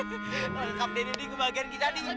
update update kebagian kita di